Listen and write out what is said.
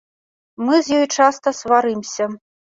Мы з ёй часта сварымся.